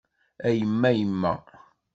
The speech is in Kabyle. A yemma yemma.